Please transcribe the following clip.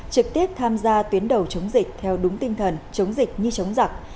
trực tiếp tham gia tuyến đầu chống dịch theo đúng tinh thần chống dịch như chống giặc